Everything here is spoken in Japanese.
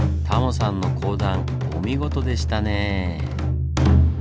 タモさんの講談お見事でしたね。